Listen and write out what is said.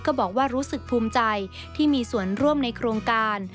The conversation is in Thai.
บอกว่ารู้สึกภูมิใจที่มีส่วนร่วมในโครงการ